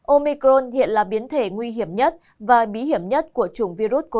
omicron hiện là biến thể nguy hiểm nhất và bí hiểm nhất của chủng virus corona